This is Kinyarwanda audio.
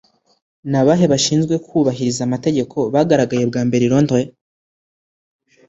Ni abahe bashinzwe kubahiriza amategeko bagaragaye bwa mbere i Londres